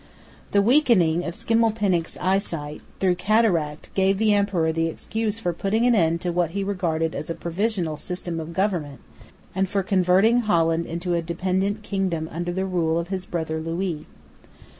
The weakening of Schimmelpenninck's eyesight, through cataract, gave the emperor the excuse for putting an end to what he regarded as a provisional system of government, and for converting Holland into a dependent kingdom under the rule of his brother Louis.